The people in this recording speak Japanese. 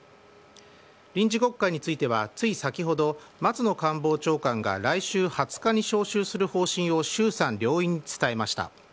臨時国会については、つい先ほど松野官房長官が来週２０日に召集する方針を衆参両院に伝えました。